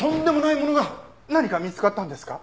何か見つかったんですか？